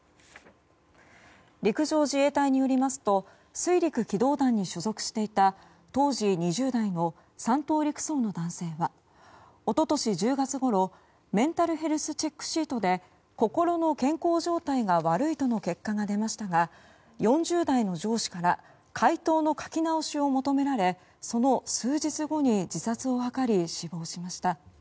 陸上自衛隊によりますと水陸機動団に所属していた当時２０代の３等陸曹の男性は一昨年１０月ごろメンタルヘルスチェックシートで心の健康状態が悪いとの結果が出ましたが４０台の上司から回答の書き直しを求められその数日後に自殺を図り死亡しました。